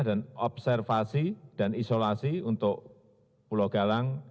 dan observasi dan isolasi untuk pulau galang